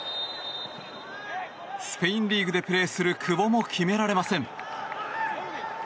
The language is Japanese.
スペインリーグでプレーする久保も決められません。